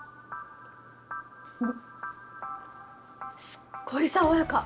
すっごい爽やか！